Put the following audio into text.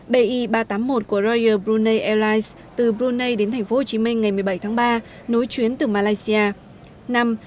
bi ba trăm tám mươi một của royal brunei airlines từ brunei đến tp hcm ngày một mươi bảy tháng ba nối chuyến từ malaysia